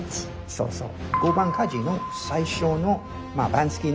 そうそう。